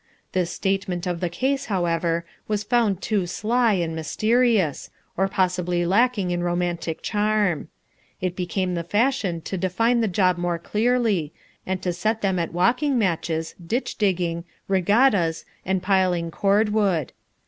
This statement of the case however, was found too sly and mysterious, or possibly lacking in romantic charm. It became the fashion to define the job more clearly and to set them at walking matches, ditch digging, regattas, and piling cord wood.